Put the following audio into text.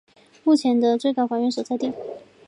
目前是最高法院所在地。